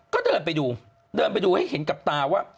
ก็เดินไปดูให้เห็นกับตาว่า